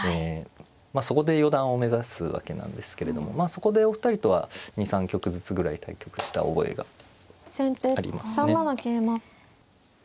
そこで四段を目指すわけなんですけれどもまあそこでお二人とは２３局ずつぐらい対局した覚えがありますね。